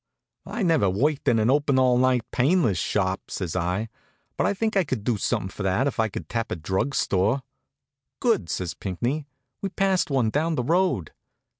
"I never worked in an open all night painless shop," says I, "but I think I could do something for that if I could tap a drug store." "Good," says Pinckney. "We passed one down the road."